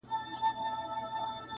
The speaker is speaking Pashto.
له محشره نه دی کم هغه ساعت چي-